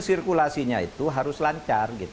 sirkulasinya itu harus lancar